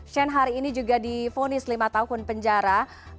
sen hari ini juga difaunis lima tahun penjara